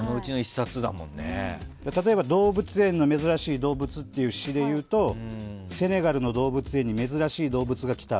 例えば「動物園の珍しい動物」という詩で言うとセネガルの動物園に珍しい動物が来た。